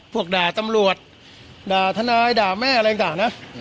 ด่าตำรวจด่าทนายด่าแม่อะไรต่างนะ